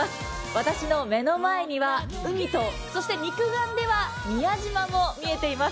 私の目の前には海と、肉眼では宮島も見えています。